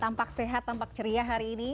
tampak sehat tampak ceria hari ini